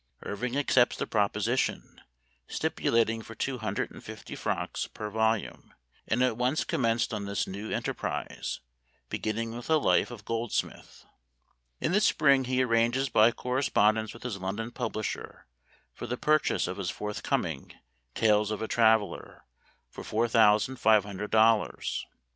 Irving accepts the proposition, stipu lating for two hundred and fifty francs per volume, and at once commenced on this new enterprise, beginning with a life of Goldsmith. In the spring he arranges, by correspond ence with his London publisher, for the pur chase of his forthcoming " Tales of a Traveler," for four thousand five hundred dollars.